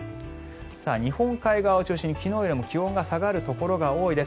日本海側を中心に昨日より気温が下がるところが多いです。